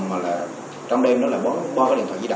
mà là trong đêm đó là bỏ điện thoại ra